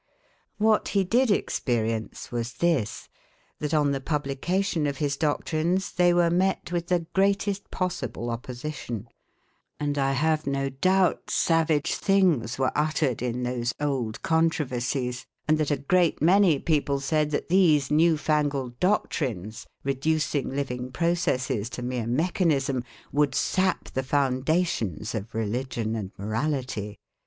What he did experience was this: that on the publication of his doctrines, they were met with the greatest possible opposition; and I have no doubt savage things were uttered in those old controversies, and that a great many people said that these new fangled doctrines, reducing living processes to mere mechanism, would sap the foundations of religion and morality.